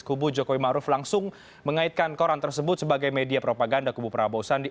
kubu jokowi maruf langsung mengaitkan koran tersebut sebagai media propaganda kubu prabowo sandi